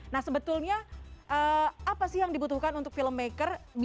nah sebetulnya apa sih yang dibutuhkan untuk filmmaker bisa bersaing dengan media baru